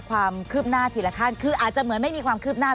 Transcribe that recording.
ความคืบหน้าทีละขั้นคืออาจจะเหมือนไม่มีความคืบหน้า